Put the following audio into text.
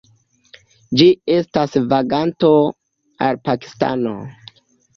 Ĝi estas vaganto al Pakistano.